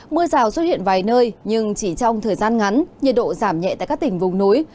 mưa rào xuất hiện vài nơi nhưng chỉ trong thời gian ngắn nhiệt độ giảm nhẹ tại các tỉnh vùng núi